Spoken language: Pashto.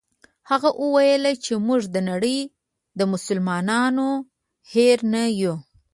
هغه وویل چې موږ د نړۍ د مسلمانانو هېر نه یو.